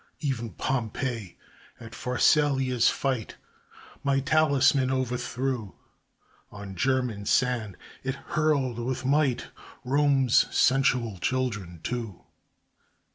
E'en Pompey, at Pharsalia's fight, My talisman o'erthrew; On German sand it hurled with might Rome's sensual children, too.